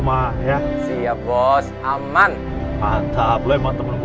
eh ini remnya plung